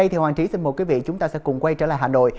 hoàng trí xin mời quý vị chúng ta sẽ quay trở lại hà nội